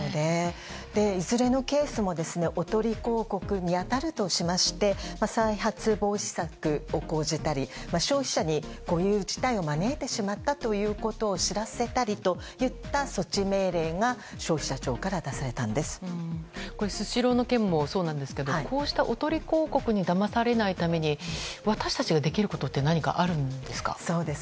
いずれのケースもおとり広告に当たるとしまして再発防止策を講じたり消費者にこういう事態を招いてしまったということを知らせたりといった措置命令がスシローの件もそうですがこうしたおとり広告にだまされないために私たちができることって何かあるんですか？